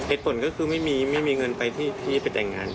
ผลก็คือไม่มีเงินไปที่ไปแต่งงาน